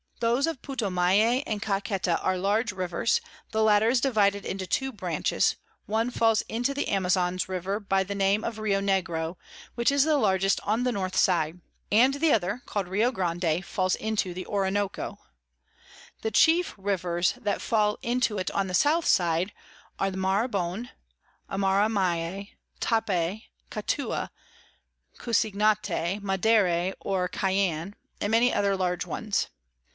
Those of Putomaye and Caketa are large Rivers: the latter is divided into two Branches; one falls into the Amazons River, by the name of Rio Negro, which is the largest on the North side; and the other, call'd Rio Grande, falls into the Oronoko. The chief Rivers that fall into it on the South side, are Maranhon, Amarumaye, Tapy, Catua, Cusignate, Madere or Cayane, and many other large ones.